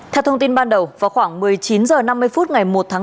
theo thông tin ban đầu vào khoảng một mươi chín h năm mươi phút ngày một tháng năm